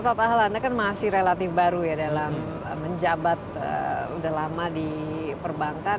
pak pahala anda kan masih relatif baru ya dalam menjabat udah lama di perbankan